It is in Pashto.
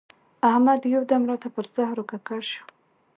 احمد یو دم راته پر زهرو ککړ شو.